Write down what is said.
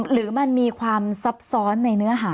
หรือมันมีความซับซ้อนในเนื้อหา